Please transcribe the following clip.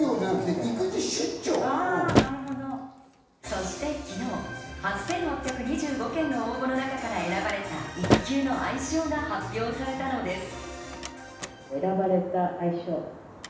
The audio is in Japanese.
そして昨日、８８２５件の応募の中から選ばれた育休の愛称が発表されたのです。